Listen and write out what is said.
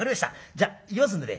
じゃっ行きますんでね。